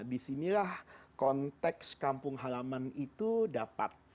nah di sinilah konteks kampung halaman itu dapat